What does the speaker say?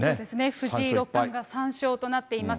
藤井六冠が３勝となっています。